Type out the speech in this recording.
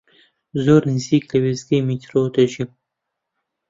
زۆر نزیک لە وێستگەی میترۆ دەژیم.